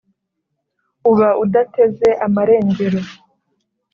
uba udateze amarengero.